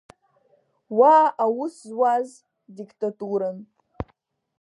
Уа аус зуаз диктату-ран.